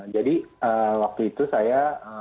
jadi waktu itu saya